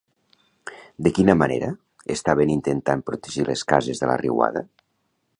De quina manera estaven intentant protegir les cases de la riuada?